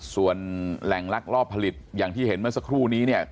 ส่วนแหล่งลักลอบผลิตอย่างที่เห็นเมื่อสักครู่นี้เนี่ย